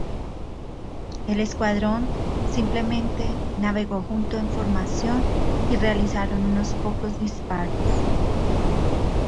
El escuadrón, simplemente, navegó junto en formación y realizaron unos pocos disparos.